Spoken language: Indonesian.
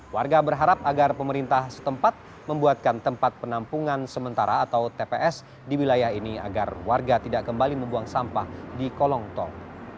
warga berharap agar pemerintah setempat membuatkan tempat penampungan sementara atau tps di wilayah ini agar warga tidak kembali membuang sampah di kolong tol